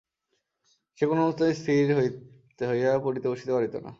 সে কোনোমতেই স্থির হইয়া পড়িতে বসিতে পারিত না।